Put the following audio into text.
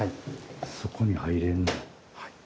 そこに入れんねや。